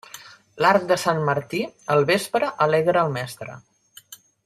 L'arc de Sant Martí al vespre alegra el mestre.